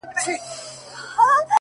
• زما د قبر سر ته ارغوان به غوړېدلی وي ,